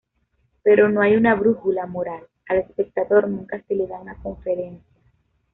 Pero no hay una brújula moral: al espectador nunca se le da una conferencia.